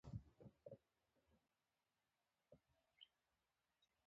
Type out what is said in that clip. دولت د پاڅون کوونکو غلامانو ځپل او ټکول کول.